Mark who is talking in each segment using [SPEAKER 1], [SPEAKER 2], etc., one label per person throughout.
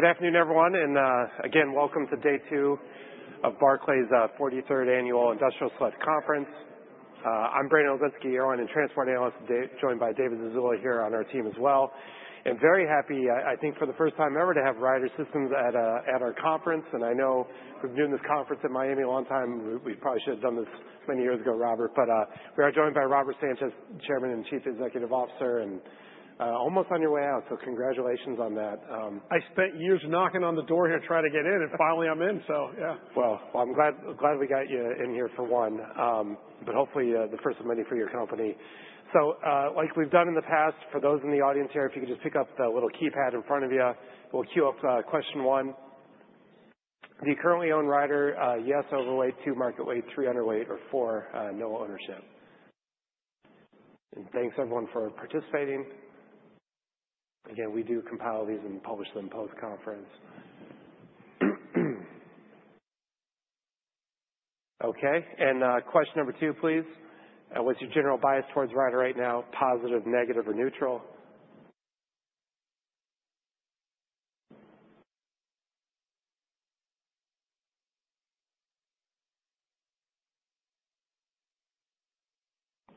[SPEAKER 1] Good afternoon, everyone, and again, welcome to Day Two of Barclays 43rd Annual Industrial Select Conference. I'm Brandon Oglenski, Airline and Transport Analyst, joined by David Zazula here on our team as well, and very happy, I think, for the first time ever, to have Ryder System at our conference. I know we've been doing this conference in Miami a long time. We probably should have done this many years ago, Robert, but we are joined by Robert Sanchez, Chairman and Chief Executive Officer, and almost on your way out, so congratulations on that.
[SPEAKER 2] I spent years knocking on the door here trying to get in, and finally I'm in, so yeah.
[SPEAKER 1] Well, I'm glad, glad we got you in here for one, but hopefully the first of many for your company. Like we've done in the past, for those in the audience here, if you could just pick up the little keypad in front of you, we'll queue up question one. Do you currently own Ryder? Yes, overweight, two, market weight, three, underweight, or four, no ownership. Thanks, everyone, for participating. Again, we do compile these and publish them post-conference. Okay, question number two, please. What's your general bias towards Ryder right now? Positive, negative, or neutral?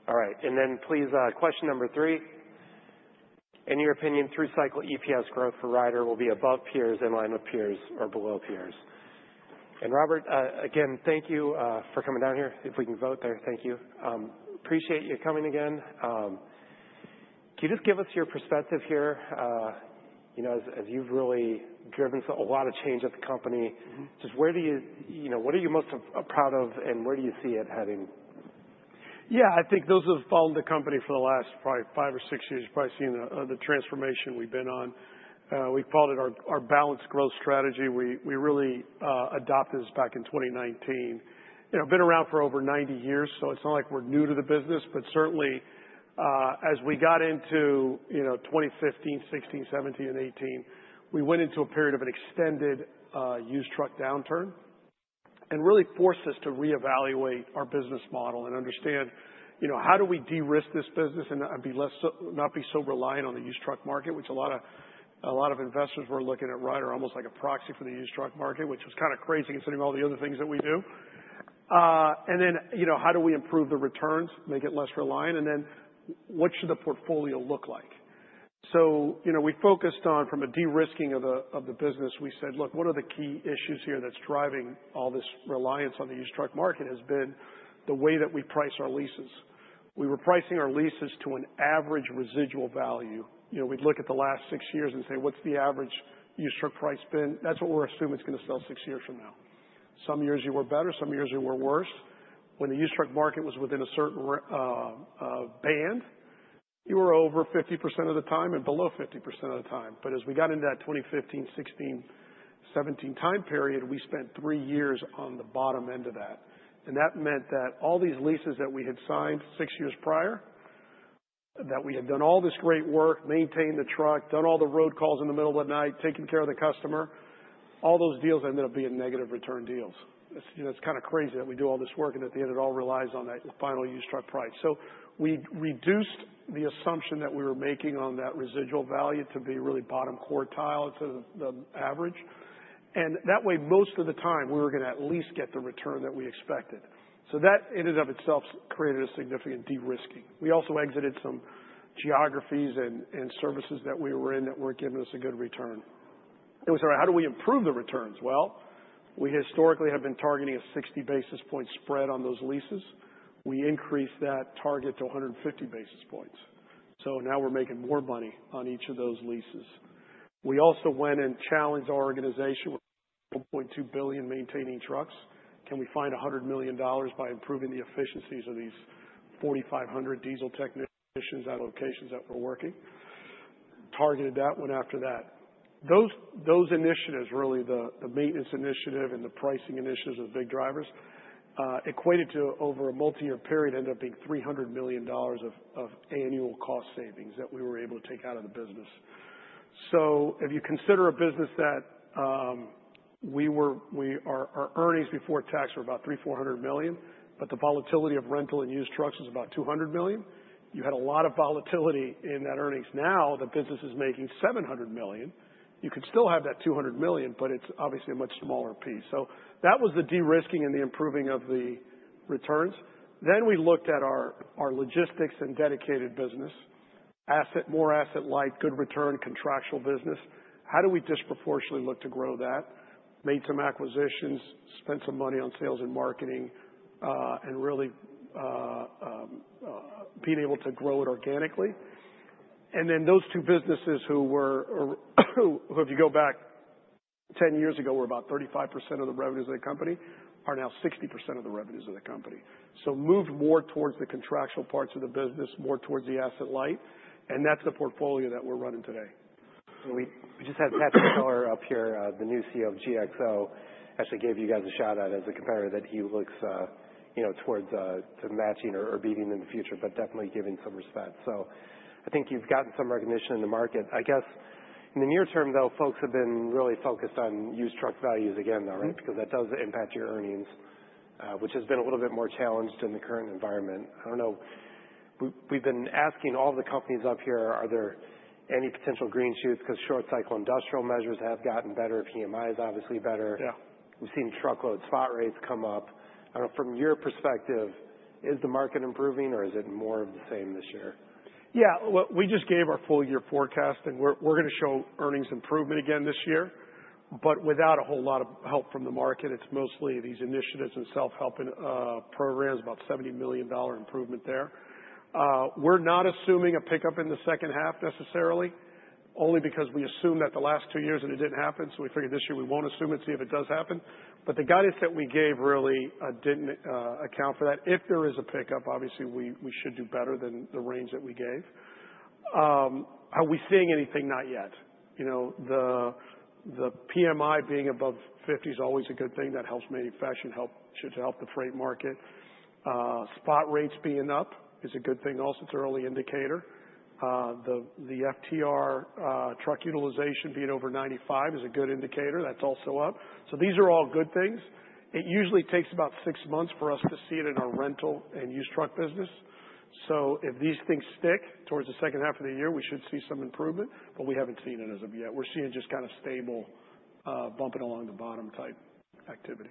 [SPEAKER 1] All right, please, question number three. In your opinion, through cycle EPS growth for Ryder will be above peers, in line with peers, or below peers. Robert, again, thank you for coming down here. If we can vote there, thank you. Appreciate you coming again. Can you just give us your perspective here? You know, as you've really driven a lot of change at the company.
[SPEAKER 2] Mm-hmm.
[SPEAKER 1] Just where do you, you know, what are you most proud of, and where do you see it heading?
[SPEAKER 2] Yeah, I think those who have followed the company for the last probably five or six years have probably seen the, the transformation we've been on. We called it our balanced growth strategy. We really adopted this back in 2019. You know, been around for over 90 years, so it's not like we're new to the business. But certainly, as we got into, you know, 2015, 2016, 2017, and 2018, we went into a period of an extended used truck downturn and really forced us to reevaluate our business model and understand, you know, how do we de-risk this business and be less so, not be so reliant on the used truck market, which a lot of, a lot of investors were looking at Ryder almost like a proxy for the used truck market, which was kind of crazy, considering all the other things that we do. And then, you know, how do we improve the returns, make it less reliant? And then what should the portfolio look like? You know, we focused on, from a de-risking of the business, we said, look, one of the key issues here that's driving all this reliance on the used truck market has been the way that we price our leases. We were pricing our leases to an average residual value. You know, we'd look at the last six years and say, what's the average used truck price been? That's what we're assuming it's going to sell six years from now. Some years you were better, some years you were worse. When the used truck market was within a certain band, you were over 50% of the time and below 50% of the time. As we got into that 2015, 2016, 2017 time period, we spent three years on the bottom end of that. That meant that all these leases that we had signed six years prior, that we had done all this great work, maintained the truck, done all the road calls in the middle of the night, taking care of the customer, all those deals ended up being negative return deals. It's, you know, it's kind of crazy that we do all this work, and at the end, it all relies on that final used truck price. We reduced the assumption that we were making on that residual value to be really bottom quartile to the average. That way, most of the time, we were going to at least get the return that we expected. That in and of itself created a significant de-risking. We also exited some geographies and services that we were in that weren't giving us a good return. How do we improve the returns? Well, we historically have been targeting a 60 basis point spread on those leases. We increased that target to 150 basis points, so now we're making more money on each of those leases. We also went and challenged our organization with $1.2 billion maintaining trucks. Can we find $100 million by improving the efficiencies of these 4,500 diesel technicians at locations that we're working? Targeted that one after that. Those initiatives, really, the maintenance initiative and the pricing initiatives [are] big drivers equated to over a multiyear period, ended up being $300 million of annual cost savings that we were able to take out of the business. So if you consider a business that we were, our earnings before tax were about $300 million-$400 million, but the volatility of rental and used trucks was about $200 million. You had a lot of volatility in that earnings. Now, the business is making $700 million. You can still have that $200 million, but it's obviously a much smaller piece. So that was the de-risking and the improving of the returns. Then we looked at our logistics and dedicated business. Asset, more asset-light, good return, contractual business. How do we disproportionately look to grow that? Made some acquisitions, spent some money on sales and marketing, and really being able to grow it organically. Then those two businesses who were, if you go back 10 years ago, were about 35% of the revenues of the company, are now 60% of the revenues of the company. Moved more towards the contractual parts of the business, more towards the asset light, and that's the portfolio that we're running today.
[SPEAKER 1] We just had Patrick Kelleher up here, the new CEO of GXO, actually gave you guys a shout-out as a competitor that he looks, you know, towards, to matching or, or beating in the future, but definitely giving some respect. I think you've gotten some recognition in the market. I guess in the near term, though, folks have been really focused on used truck values again, though, right?
[SPEAKER 2] Mm-hmm.
[SPEAKER 1] Because that does impact your earnings, which has been a little bit more challenged in the current environment. I don't know. We, we've been asking all the companies up here, are there any potential green shoots? Because short cycle industrial measures have gotten better. PMI is obviously better.
[SPEAKER 2] Yeah.
[SPEAKER 1] We've seen truckload spot rates come up. I don't know, from your perspective, is the market improving or is it more of the same this year?
[SPEAKER 2] Yeah, well, we just gave our full year forecast, and we're going to show earnings improvement again this year, but without a whole lot of help from the market. It's mostly these initiatives and self-helping programs, about $70 million improvement there. We're not assuming a pickup in the second half necessarily, only because we assume that the last two years and it didn't happen, so we figured this year we won't assume it, see if it does happen. But the guidance that we gave really didn't account for that. If there is a pickup, obviously we should do better than the range that we gave. Are we seeing anything? Not yet. You know, the PMI being above 50 is always a good thing. That helps manufacturing, should help the freight market. Spot rates being up is a good thing, also, it's an early indicator. The FTR truck utilization being over 95% is a good indicator. That's also up. So these are all good things. It usually takes about six months for us to see it in our rental and used truck business. So if these things stick towards the second half of the year, we should see some improvement, but we haven't seen it as of yet. We're seeing just kind of stable, bumping along the bottom type activity.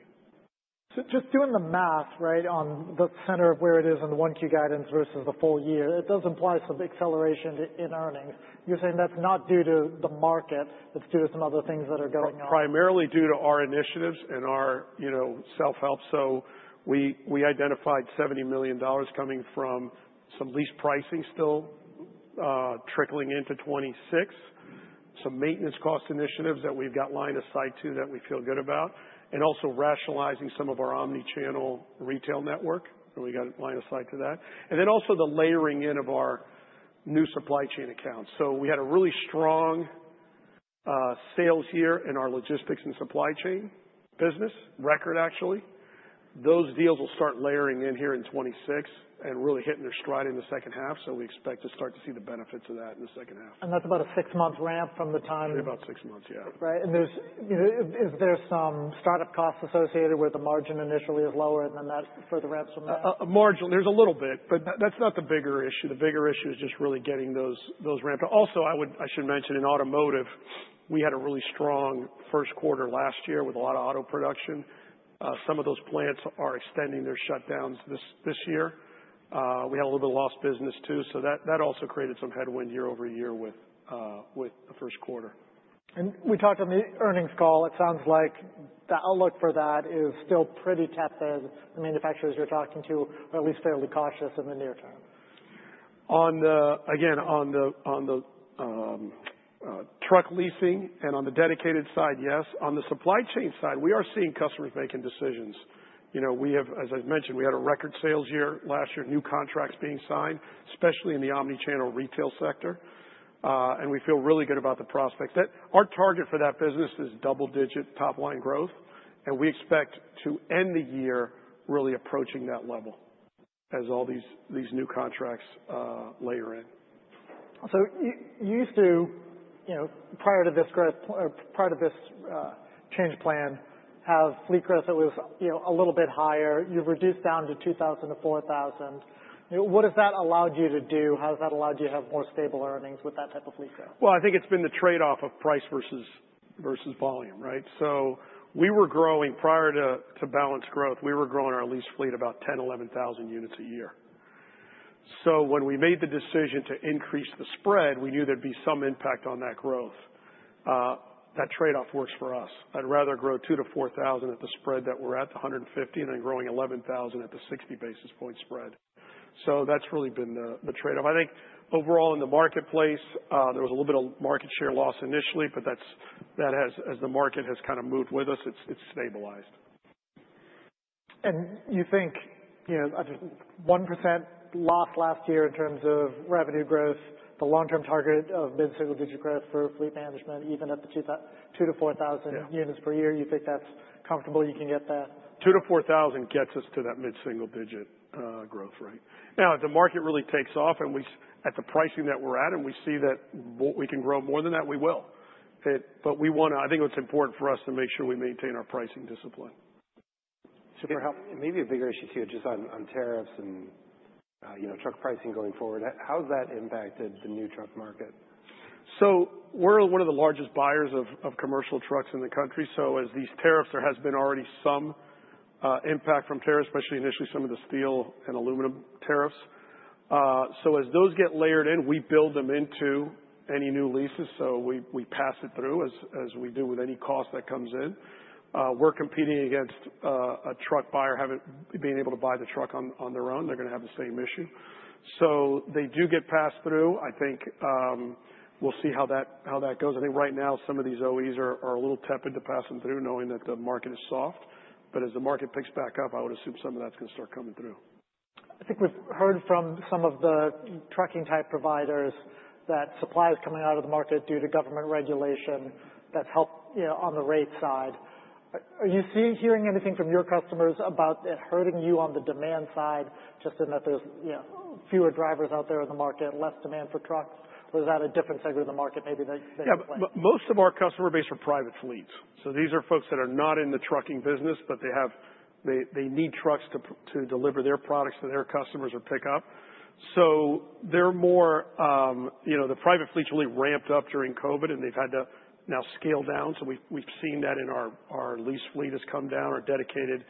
[SPEAKER 3] So just doing the math, right, on the center of where it is on the 1Q guidance versus the full year, it does imply some acceleration in earnings. You're saying that's not due to the market, it's due to some other things that are going on.
[SPEAKER 2] Primarily due to our initiatives and our, you know, self-help. So we, we identified $70 million coming from some lease pricing still trickling into 2026, some maintenance cost initiatives that we've got lined aside to, that we feel good about, and also rationalizing some of our omni-channel retail network, so we got line of sight to that. And then also the layering in of our new supply chain accounts. So we had a really strong sales year in our logistics and supply chain business, record, actually. Those deals will start layering in here in 2026 and really hitting their stride in the second half. So we expect to start to see the benefits of that in the second half.
[SPEAKER 3] That's about a six-month ramp from the time-
[SPEAKER 2] About six months, yeah.
[SPEAKER 3] Right. And is there some startup costs associated where the margin initially is lower and then that further ramps from there?
[SPEAKER 2] There's a little bit, but that's not the bigger issue. The bigger issue is just really getting those ramped. Also, I should mention, in automotive, we had a really strong first quarter last year with a lot of auto production. Some of those plants are extending their shutdowns this year. We had a little bit of lost business, too, so that also created some headwind year-over-year with the first quarter.
[SPEAKER 3] We talked on the earnings call. It sounds like the outlook for that is still pretty tepid. I mean, the manufacturers you're talking to are at least fairly cautious in the near term.
[SPEAKER 2] On the truck leasing and on the dedicated side, yes. On the supply chain side, we are seeing customers making decisions. You know, we have, as I've mentioned, we had a record sales year last year, new contracts being signed, especially in the omni-channel retail sector. And we feel really good about the prospects. Our target for that business is double digit top line growth, and we expect to end the year really approaching that level as all these, these new contracts, layer in.
[SPEAKER 3] So you used to, you know, prior to this growth, or part of this, change plan, have fleet growth that was, you know, a little bit higher. You've reduced down to 2,000-4,000. What has that allowed you to do? How has that allowed you to have more stable earnings with that type of fleet growth?
[SPEAKER 2] Well, I think it's been the trade-off of price versus, versus volume, right? So we were growing prior to, to balanced growth. We were growing our lease fleet about 10,000-11,000 units a year. So when we made the decision to increase the spread, we knew there'd be some impact on that growth. That trade-off works for us. I'd rather grow 2,000-4,000 at the spread that we're at, the 150, and then growing 11,000 at the 60 basis point spread. So that's really been the, the trade-off. I think overall in the marketplace, there was a little bit of market share loss initially, but that's, that has, as the market has kind of moved with us, it's, it's stabilized.
[SPEAKER 3] You think, you know, 1% loss last year in terms of revenue growth, the long-term target of mid-single digit growth for fleet management, even at the two to four thousand-
[SPEAKER 2] Yeah.
[SPEAKER 3] Units per year, you think that's comfortable, you can get that?
[SPEAKER 2] Two to 4,000 gets us to that mid-single digit growth rate. Now, if the market really takes off at the pricing that we're at, and we see that we can grow more than that, we will. We wanna... I think it's important for us to make sure we maintain our pricing discipline.
[SPEAKER 1] Super, maybe a bigger issue here, just on, on tariffs and, you know, truck pricing going forward. How has that impacted the new truck market?
[SPEAKER 2] So we're one of the largest buyers of, of commercial trucks in the country. So as these tariffs, there has been already some impact from tariffs, especially initially some of the steel and aluminum tariffs. So as those get layered in, we build them into any new leases, so we, we pass it through, as, as we do with any cost that comes in. We're competing against a truck buyer, being able to buy the truck on, on their own. They're going to have the same issue. So they do get passed through. I think, we'll see how that, how that goes. I think right now, some of these OEs are, are a little tepid to pass them through, knowing that the market is soft. But as the market picks back up, I would assume some of that's going to start coming through.
[SPEAKER 3] I think we've heard from some of the trucking type providers that supply is coming out of the market due to government regulation. That's helped, you know, on the rate side. Are you hearing anything from your customers about it hurting you on the demand side, just in that there's, you know, fewer drivers out there in the market, less demand for trucks? Or is that a different segment of the market maybe that you're saying?
[SPEAKER 2] Yeah. Most of our customer base are private fleets, so these are folks that are not in the trucking business, but they need trucks to deliver their products to their customers or pick up. So they're more, you know, the private fleets really ramped up during COVID, and they've had to now scale down. So we've seen that in our lease fleet has come down. Our dedicated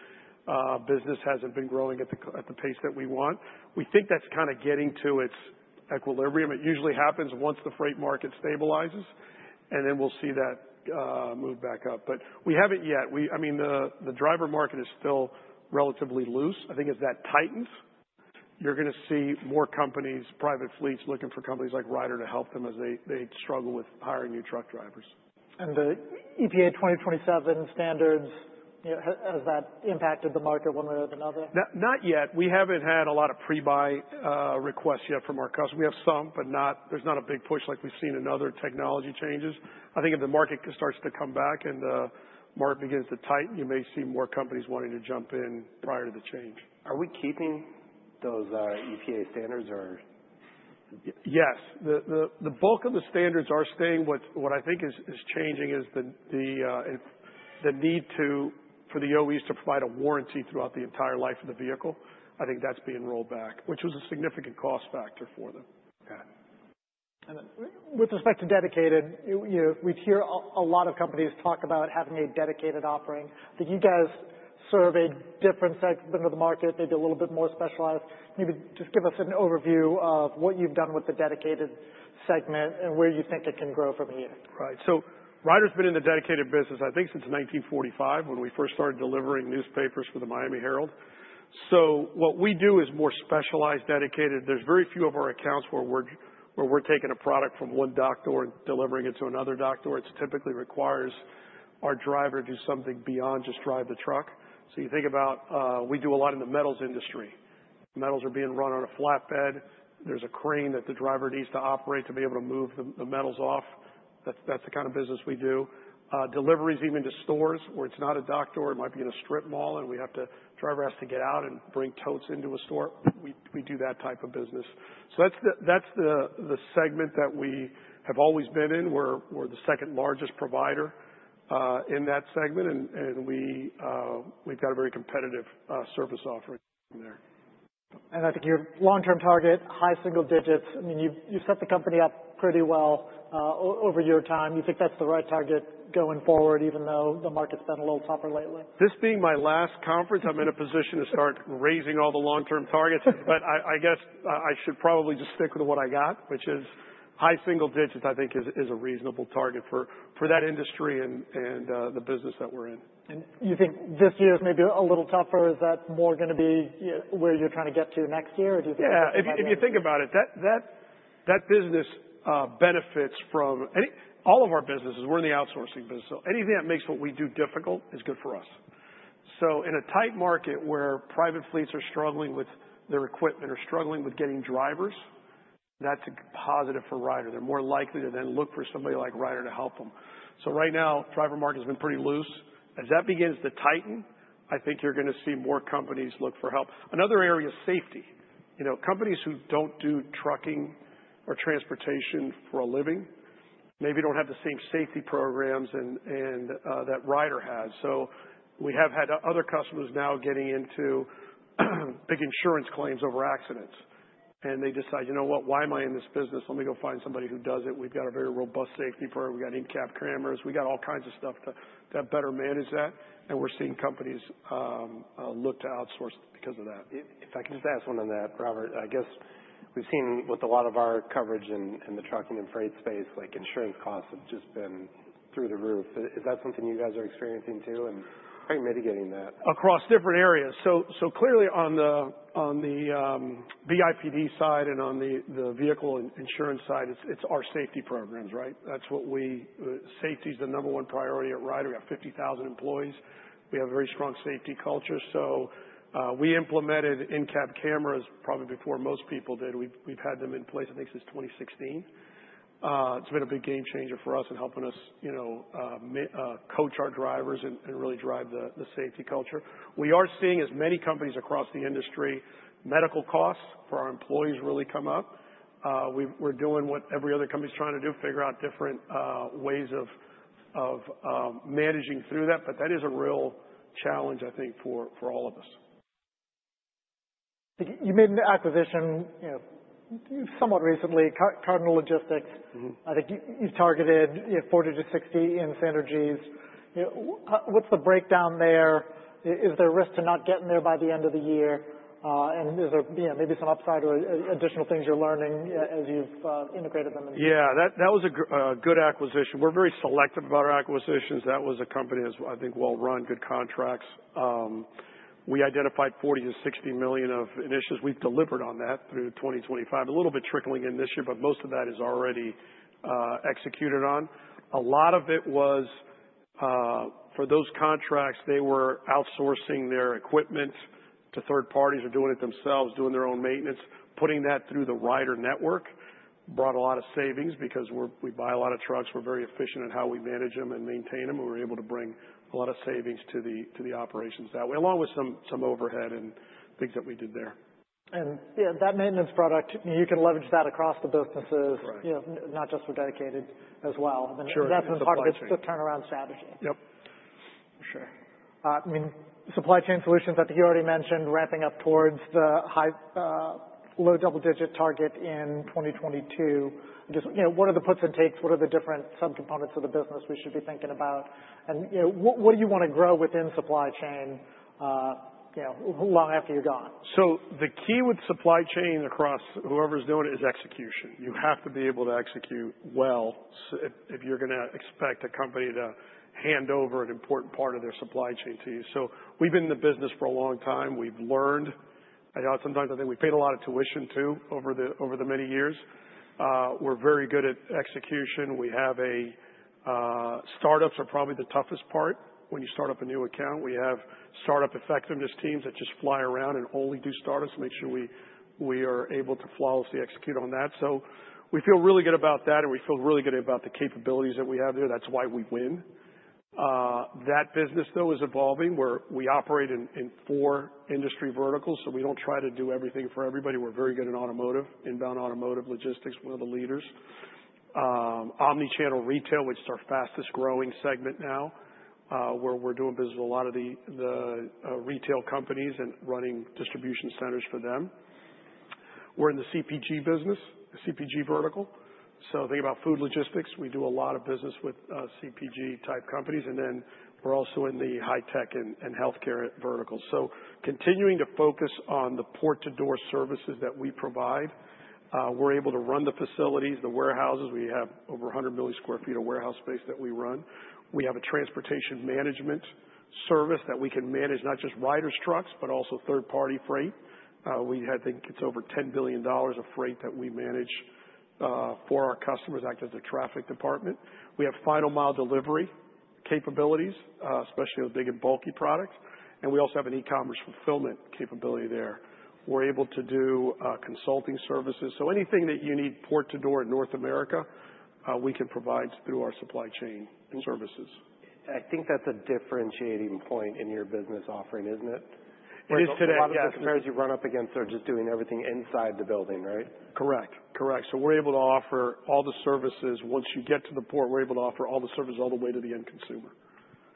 [SPEAKER 2] business hasn't been growing at the pace that we want. We think that's kind of getting to its equilibrium. It usually happens once the freight market stabilizes, and then we'll see that move back up. But we haven't yet. I mean, the driver market is still relatively loose. I think as that tightens, you're going to see more companies, private fleets, looking for companies like Ryder to help them as they struggle with hiring new truck drivers.
[SPEAKER 3] The EPA 2027 standards, you know, has that impacted the market one way or another?
[SPEAKER 2] Not, not yet. We haven't had a lot of pre-buy requests yet from our customers. We have some, but not, there's not a big push like we've seen in other technology changes. I think if the market starts to come back and the market begins to tighten, you may see more companies wanting to jump in prior to the change.
[SPEAKER 1] Are we keeping those EPA standards or?
[SPEAKER 2] Yes. The bulk of the standards are staying. What I think is changing is the need for the OEs to provide a warranty throughout the entire life of the vehicle. I think that's being rolled back, which was a significant cost factor for them.
[SPEAKER 1] Got it.
[SPEAKER 3] With respect to dedicated, you know, we hear a lot of companies talk about having a dedicated offering. Do you guys serve a different segment of the market, maybe a little bit more specialized? You could just give us an overview of what you've done with the dedicated segment and where you think it can grow from here.
[SPEAKER 2] Right. Ryder's been in the dedicated business, I think, since 1945, when we first started delivering newspapers for the Miami Herald. What we do is more specialized, dedicated. There's very few of our accounts where we're taking a product from one dock door and delivering it to another dock door. It typically requires our driver to do something beyond just drive the truck. You think about, we do a lot in the metals industry. Metals are being run on a flatbed. There's a crane that the driver needs to operate to be able to move the metals off. That's the kind of business we do. Deliveries even to stores where it's not a dock door, it might be in a strip mall, and the driver has to get out and bring totes into a store. We do that type of business. So that's the segment that we have always been in. We're the second largest provider in that segment, and we have a very competitive service offering there.
[SPEAKER 3] I think your long-term target, high single digits, I mean, you, you set the company up pretty well, over your time. You think that's the right target going forward, even though the market's been a little tougher lately?
[SPEAKER 2] This being my last conference, I'm in a position to start raising all the long-term targets. But I guess I should probably just stick with what I got, which is high single digits, I think is a reasonable target for that industry and the business that we're in.
[SPEAKER 3] You think this year is maybe a little tougher, or is that more going to be where you're trying to get to next year, or do you think-
[SPEAKER 2] Yeah, if you think about it, that business benefits from any... All of our businesses, we're in the outsourcing business, so anything that makes what we do difficult is good for us. So in a tight market where private fleets are struggling with their equipment or struggling with getting drivers, that's a positive for Ryder. They're more likely to then look for somebody like Ryder to help them. So right now, driver market has been pretty loose. As that begins to tighten, I think you're going to see more companies look for help. Another area, safety. You know, companies who don't do trucking or transportation for a living maybe don't have the same safety programs and that Ryder has. So we have had other customers now getting into big insurance claims over accidents, and they decide: You know what? Why am I in this business? Let me go find somebody who does it. We've got a very robust safety program. We got in-cab cameras. We got all kinds of stuff to better manage that, and we're seeing companies look to outsource because of that.
[SPEAKER 1] If I could just ask one on that, Robert, I guess we've seen with a lot of our coverage in the trucking and freight space, like insurance costs have just been through the roof. Is that something you guys are experiencing, too, and how are you mitigating that?
[SPEAKER 2] Across different areas. Clearly on the BIPD side and on the vehicle insurance side, it's our safety programs, right? That's what we... safety is the number one priority at Ryder. We have 50,000 employees. We have a very strong safety culture. We implemented in-cab cameras probably before most people did. We've had them in place, I think, since 2016. It's been a big game changer for us in helping us, you know, coach our drivers and really drive the safety culture. We are seeing, as many companies across the industry, medical costs for our employees really come up. We're doing what every other company is trying to do, figure out different ways of managing through that, but that is a real challenge, I think, for all of us.
[SPEAKER 3] You made an acquisition, you know, somewhat recently, Cardinal Logistics.
[SPEAKER 2] Mm-hmm.
[SPEAKER 3] I think you targeted, you know, $40 million-$60 million in synergies. You know, what's the breakdown there? Is there a risk to not getting there by the end of the year? And is there, you know, maybe some upside or additional things you're learning as you've integrated them?
[SPEAKER 2] Yeah, that was a good acquisition. We're very selective about our acquisitions. That was a company that's, I think, well-run, good contracts. We identified $40 million-$60 million of initiatives. We've delivered on that through 2025. A little bit trickling in this year, but most of that is already executed on. A lot of it was for those contracts, they were outsourcing their equipment to third parties or doing it themselves, doing their own maintenance. Putting that through the Ryder network brought a lot of savings because we buy a lot of trucks. We're very efficient in how we manage them and maintain them. We were able to bring a lot of savings to the operations that way, along with some overhead and things that we did there.
[SPEAKER 3] Yeah, that maintenance product, you can leverage that across the businesses-
[SPEAKER 2] Right.
[SPEAKER 3] You know, not just for dedicated as well.
[SPEAKER 2] Sure.
[SPEAKER 3] That's been part of the turnaround strategy.
[SPEAKER 2] Yep....
[SPEAKER 3] Sure. I mean, supply chain solutions, I think you already mentioned ramping up towards the high, low double-digit target in 2022. Just, you know, what are the puts and takes? What are the different subcomponents of the business we should be thinking about? And, you know, what do you want to grow within supply chain, you know, well, after you're gone?
[SPEAKER 2] So the key with supply chain across whoever's doing it is execution. You have to be able to execute well, if you're going to expect a company to hand over an important part of their supply chain to you. So we've been in the business for a long time. We've learned. I know sometimes I think we paid a lot of tuition, too, over the, over the many years. We're very good at execution. Startups are probably the toughest part when you start up a new account. We have startup effectiveness teams that just fly around and only do startups, make sure we are able to flawlessly execute on that. So we feel really good about that, and we feel really good about the capabilities that we have there. That's why we win. That business, though, is evolving, where we operate in four industry verticals, so we don't try to do everything for everybody. We're very good in automotive, inbound automotive logistics, one of the leaders. Omni-channel retail, which is our fastest growing segment now, where we're doing business with a lot of the retail companies and running distribution centers for them. We're in the CPG business, CPG vertical. Think about food logistics. We do a lot of business with CPG-type companies, and then we're also in the high tech and healthcare vertical. Continuing to focus on the port-to-door services that we provide, we're able to run the facilities, the warehouses. We have over 100 million sq ft of warehouse space that we run. We have a transportation management service that we can manage, not just Ryder's trucks, but also third-party freight. We have, I think it's over $10 billion of freight that we manage for our customers, act as a traffic department. We have final mile delivery capabilities, especially with big and bulky products, and we also have an e-commerce fulfillment capability there. We're able to do consulting services. So anything that you need port to door in North America, we can provide through our supply chain services.
[SPEAKER 1] I think that's a differentiating point in your business offering, isn't it?
[SPEAKER 2] It is today, yes.
[SPEAKER 1] A lot of the competitors you run up against are just doing everything inside the building, right?
[SPEAKER 2] Correct. Correct. So we're able to offer all the services. Once you get to the port, we're able to offer all the services all the way to the end consumer.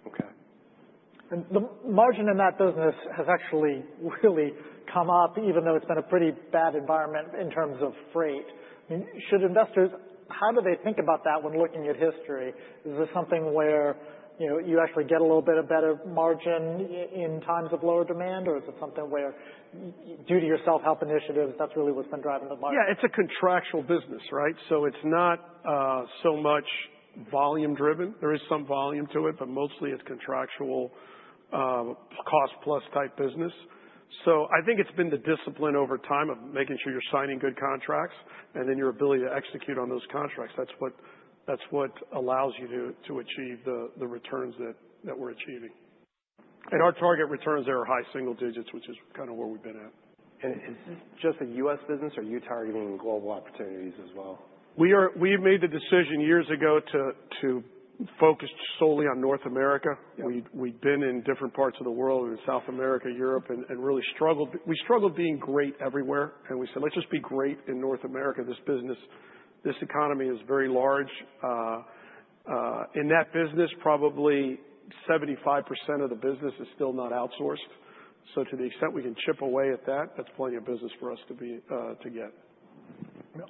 [SPEAKER 1] Okay.
[SPEAKER 3] The margin in that business has actually really come up, even though it's been a pretty bad environment in terms of freight. I mean, should investors -- how do they think about that when looking at history? Is this something where, you know, you actually get a little bit of better margin in times of lower demand, or is it something where, due to your self-help initiatives, that's really what's been driving the margin?
[SPEAKER 2] Yeah, it's a contractual business, right? So it's not so much volume driven. There is some volume to it, but mostly it's contractual, cost plus type business. So I think it's been the discipline over time of making sure you're signing good contracts and then your ability to execute on those contracts. That's what allows you to achieve the returns that we're achieving. And our target returns there are high single digits, which is kind of where we've been at.
[SPEAKER 1] Is this just a U.S. business, or are you targeting global opportunities as well?
[SPEAKER 2] We made the decision years ago to focus solely on North America.
[SPEAKER 1] Yeah.
[SPEAKER 2] We'd been in different parts of the world, in South America, Europe, and really struggled. We struggled being great everywhere, and we said, "Let's just be great in North America." This business, this economy is very large. In that business, probably 75% of the business is still not outsourced. So to the extent we can chip away at that, that's plenty of business for us to be, to get.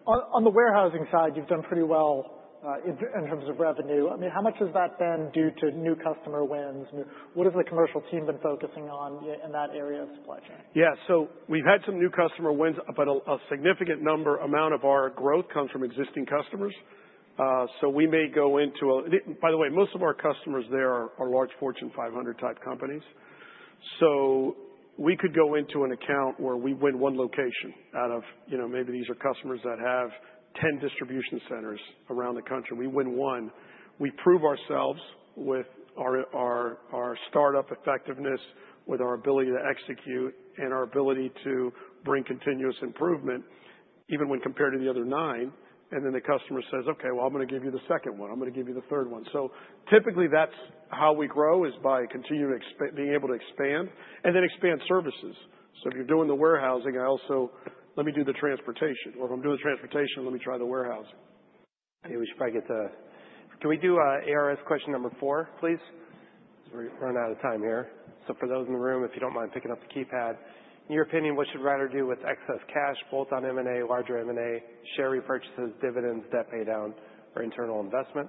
[SPEAKER 3] On the warehousing side, you've done pretty well in terms of revenue. I mean, how much has that been due to new customer wins? And what has the commercial team been focusing on in that area of supply chain?
[SPEAKER 2] Yeah. So we've had some new customer wins, but a significant number, amount of our growth comes from existing customers. So we may go into a... By the way, most of our customers there are large Fortune 500 type companies. So we could go into an account where we win one location out of, you know, maybe these are customers that have 10 distribution centers around the country. We win one. We prove ourselves with our startup effectiveness, with our ability to execute and our ability to bring continuous improvement, even when compared to the other nine. And then the customer says, "Okay, well, I'm going to give you the second one. I'm going to give you the third one." So typically, that's how we grow, is by being able to expand and then expand services. So if you're doing the warehousing, let me also do the transportation, or if I'm doing the transportation, let me try the warehouse.
[SPEAKER 1] Okay, we should probably get to... Can we do, ARS question number four, please? So we're running out of time here. So for those in the room, if you don't mind picking up the keypad. In your opinion, what should Ryder do with excess cash, both on M&A, larger M&A, share repurchases, dividends, debt pay down, or internal investment?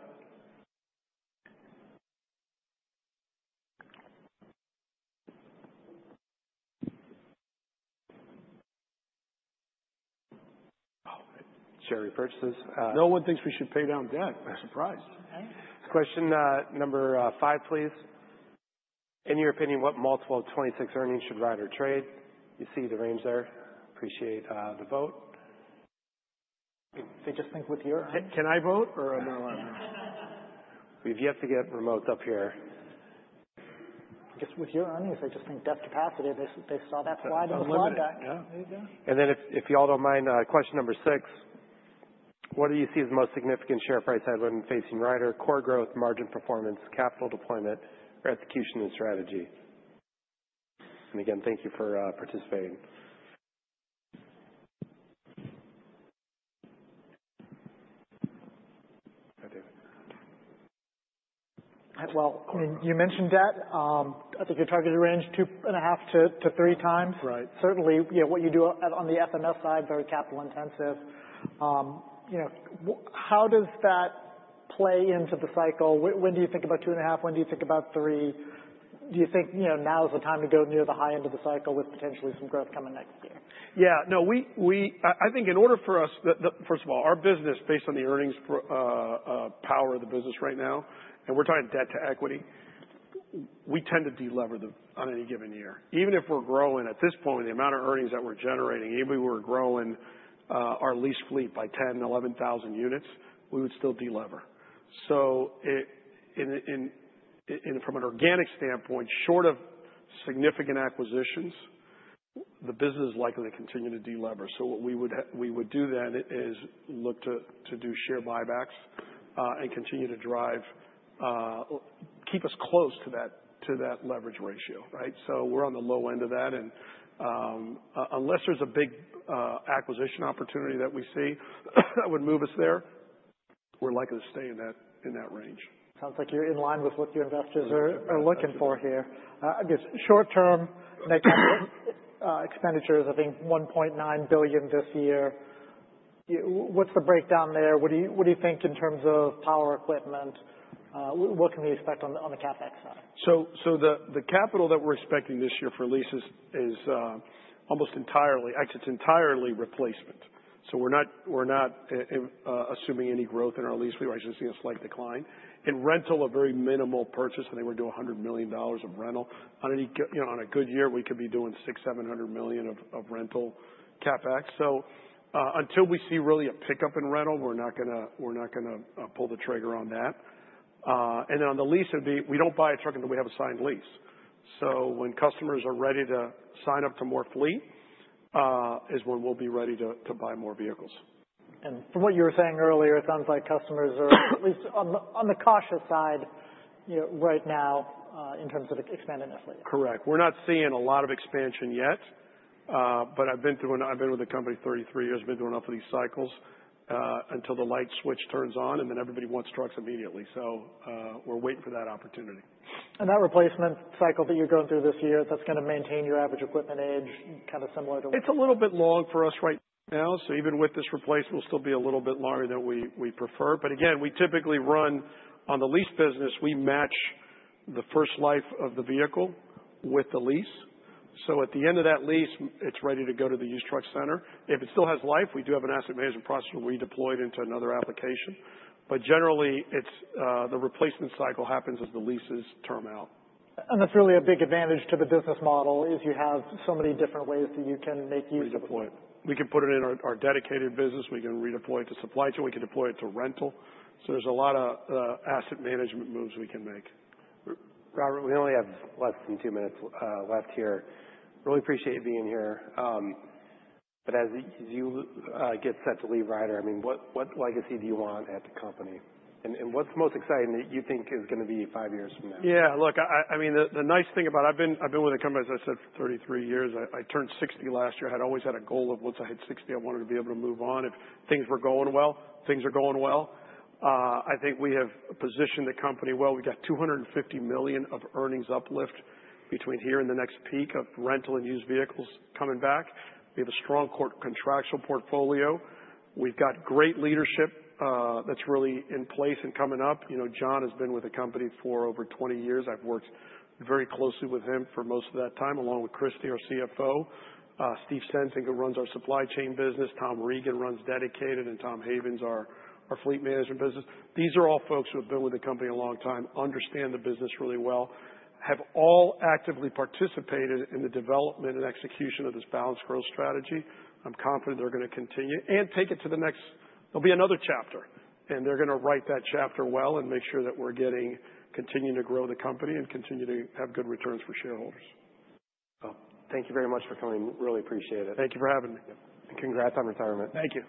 [SPEAKER 1] Oh, share repurchases.
[SPEAKER 2] No one thinks we should pay down debt. I'm surprised.
[SPEAKER 1] Okay. Question number five, please. In your opinion, what multiple of 2026 earnings should Ryder trade? You see the range there. Appreciate the vote.
[SPEAKER 3] They just think with your-
[SPEAKER 2] Can I vote or I'm not allowed?
[SPEAKER 1] We've yet to get remote up here.
[SPEAKER 3] Just with your earnings, they just think debt capacity. They, they saw that slide in the feedback.
[SPEAKER 2] Yeah.
[SPEAKER 1] There you go. And then if you all don't mind, question number six, what do you see as the most significant share price headwind facing Ryder? Core growth, margin performance, capital deployment, or execution and strategy. And again, thank you for participating....
[SPEAKER 3] Well, you mentioned debt. I think your targeted range 2.5x-3x.
[SPEAKER 2] Right.
[SPEAKER 3] Certainly, you know, what you do on the FMS side, very capital intensive. You know, how does that play into the cycle? When do you think about 2.5x? When do you think about 3x? Do you think, you know, now is the time to go near the high end of the cycle with potentially some growth coming next year?
[SPEAKER 2] Yeah. No, we I think in order for us, first of all, our business, based on the earnings power of the business right now, and we're talking debt to equity, we tend to delever on any given year. Even if we're growing, at this point, the amount of earnings that we're generating, even if we were growing our lease fleet by 10,000-11,000 units, we would still delever. So in from an organic standpoint, short of significant acquisitions, the business is likely to continue to delever. So what we would do then is look to do share buybacks and continue to drive keep us close to that leverage ratio, right? So we're on the low end of that, and unless there's a big acquisition opportunity that we see that would move us there, we're likely to stay in that, in that range.
[SPEAKER 3] Sounds like you're in line with what your investors are looking for here. I guess short term expenditures, I think $1.9 billion this year. What's the breakdown there? What do you think in terms of power equipment? What can we expect on the CapEx side?
[SPEAKER 2] So the capital that we're expecting this year for leases is almost entirely. Actually, it's entirely replacement. So we're not assuming any growth in our lease. We actually seeing a slight decline. In rental, a very minimal purchase. I think we're doing $100 million of rental. On any—you know, on a good year, we could be doing $600 million-$700 million of rental CapEx. So until we see really a pickup in rental, we're not gonna pull the trigger on that. And then on the lease, it'd be we don't buy a truck until we have a signed lease. So when customers are ready to sign up for more fleet, is when we'll be ready to buy more vehicles.
[SPEAKER 3] From what you were saying earlier, it sounds like customers are at least on the cautious side, you know, right now, in terms of expanding their fleet.
[SPEAKER 2] Correct. We're not seeing a lot of expansion yet, but I've been with the company 33 years. I've been through enough of these cycles until the light switch turns on, and then everybody wants trucks immediately. So, we're waiting for that opportunity.
[SPEAKER 3] That replacement cycle that you're going through this year, that's going to maintain your average equipment age, kind of similar to-
[SPEAKER 2] It's a little bit long for us right now, so even with this replacement, we'll still be a little bit larger than we, we prefer. But again, we typically run on the lease business, we match the first life of the vehicle with the lease. So at the end of that lease, it's ready to go to the used truck center. If it still has life, we do have an asset management process, redeployed into another application. But generally, it's the replacement cycle happens as the leases term out.
[SPEAKER 3] That's really a big advantage to the business model, is you have so many different ways that you can make use of it.
[SPEAKER 2] Redeploy it. We can put it in our dedicated business, we can redeploy it to supply chain, we can deploy it to rental. So there's a lot of, asset management moves we can make.
[SPEAKER 1] Robert, we only have less than two minutes left here. Really appreciate you being here. But as you get set to leave Ryder, I mean, what legacy do you want at the company? And what's the most exciting that you think is going to be five years from now?
[SPEAKER 2] Yeah, look, I mean, the nice thing about... I've been with the company, as I said, for 33 years. I turned 60 last year. I'd always had a goal of once I hit 60, I wanted to be able to move on. If things were going well, things are going well. I think we have positioned the company well. We got $250 million of earnings uplift between here and the next peak of rental and used vehicles coming back. We have a strong port-contractual portfolio. We've got great leadership that's really in place and coming up. You know, John has been with the company for over 20 years. I've worked very closely with him for most of that time, along with Cristy, our CFO, Steve Sensing, who runs our supply chain business, Tom Regan runs Dedicated, and Tom Havens, our fleet management business. These are all folks who have been with the company a long time, understand the business really well, have all actively participated in the development and execution of this balanced growth strategy. I'm confident they're going to continue and take it to the next... There'll be another chapter, and they're going to write that chapter well and make sure that we're getting, continuing to grow the company and continue to have good returns for shareholders.
[SPEAKER 1] Well, thank you very much for coming. Really appreciate it.
[SPEAKER 2] Thank you for having me.
[SPEAKER 1] Congrats on retirement.
[SPEAKER 2] Thank you.